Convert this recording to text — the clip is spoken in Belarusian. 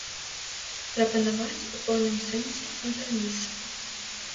Прапанаваць у пэўным сэнсе кампраміс.